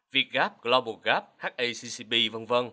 việc gáp global gap haccp v v